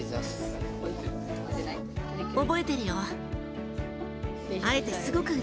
覚えてるよ。